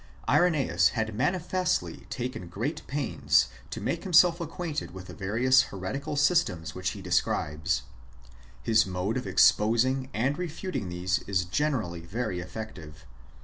xviii INTROD UCTOJR Y NOTICE. Irenseus had manifestly taken great pains to make him self acquainted with the various heretical systems which he describes. His mode of exposing and refuting these is gene rally very effective.